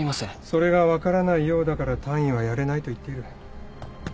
それが分からないようだから単位はやれないと言っている。